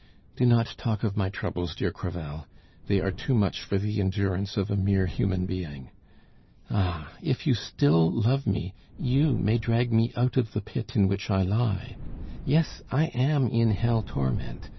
"Do not talk of my troubles, dear Crevel; they are too much for the endurance of a mere human being. Ah! if you still love me, you may drag me out of the pit in which I lie. Yes, I am in hell torment!